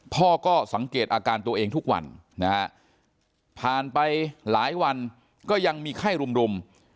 พ่อก็สังเกตอาการตัวเองทุกวันนะฮะผ่านไปหลายวันก็ยังมีไข้รุม